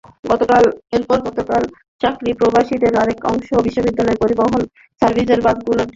এরপর গতকাল চাকরিপ্রত্যাশীদের আরেক অংশ বিশ্ববিদ্যালয়ের পরিবহন সার্ভিসের বাসগুলোর চাবি কেড়ে নেয়।